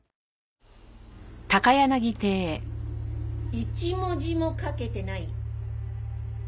一文字も書けてない？